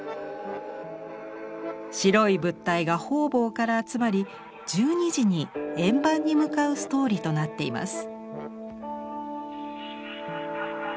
白い物体が方々から集まり１２時に円盤に向かうストーリーとなっています。